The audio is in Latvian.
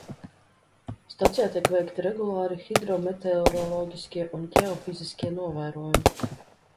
Stacijā tiek veikti regulāri hidrometeoroloģiskie un ģeofiziskie novērojumi.